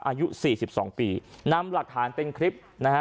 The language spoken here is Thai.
อายุสี่สิบสองปีนำหลักฐานเป็นคลิปนะฮะ